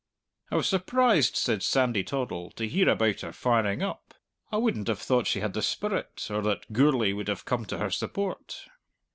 "I was surprised," said Sandy Toddle, "to hear about her firing up. I wouldn't have thought she had the spirit, or that Gourlay would have come to her support!"